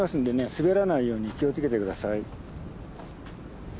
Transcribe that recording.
滑らないように気を付けて下さい。